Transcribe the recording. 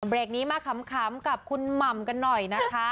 เบรกนี้มาขำกับคุณหม่ำกันหน่อยนะคะ